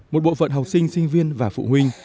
một bộ phận học sinh sinh viên và phụ huynh